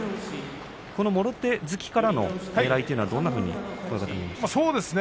もろ手突きからのねらいというのは、どんなふうに親方、見ますか。